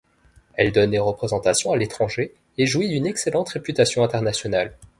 Elle donne des représentations à l’étranger et jouit d’une excellente réputation internationale.